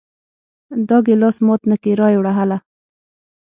دا ګلاس مات نه کې را یې وړه هله!